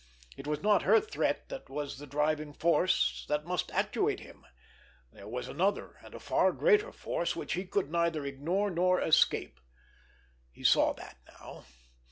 It was not her threat that was the driving force that must actuate him. There was another and a far greater force which he could neither ignore nor escape. He saw that now.